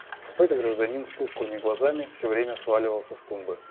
Какой-то гражданин с тусклыми глазами всё время сваливался с тумбы.